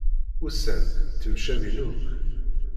Ussan temcabin akk.